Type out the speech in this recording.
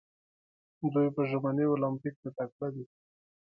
دوی په ژمني المپیک کې تکړه دي.